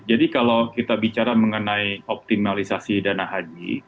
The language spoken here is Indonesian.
jadi kalau kita bicara mengenai optimalisasi dana haji